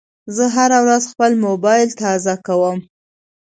زه هره ورځ خپل موبایل تازه کوم.